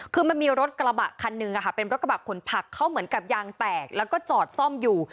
คือมันมีรถกระบะคันหนึ่งเป็นรถกระบะขนผักเขาเหมือนกับยางแตกแล้วก็จอดซ่อมอยู่